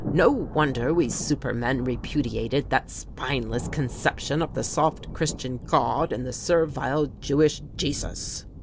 No wonder we super men repudiated that spineless conception of the soft Christian God and the servile Jewish Jesus."